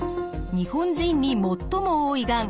日本人に最も多いがん